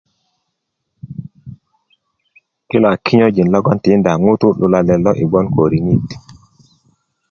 kilo a kinyojin logoŋ tiidá ŋutú lulalet lo i gboŋ ko riŋit